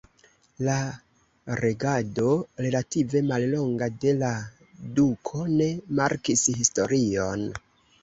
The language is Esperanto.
La regado relative mallonga de la duko ne markis historion.